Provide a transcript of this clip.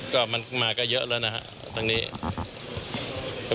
ก็มันมาก็เยอะแล้วนะครับตรงนี้